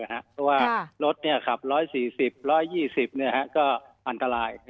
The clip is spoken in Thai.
เพราะว่ารถขับ๑๔๐๑๒๐ก็อันตราย